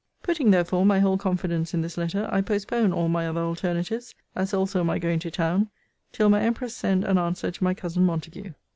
Putting, therefore, my whole confidence in this letter, I postpone all my other alternatives, as also my going to town, till my empress send an answer to my cousin Montague.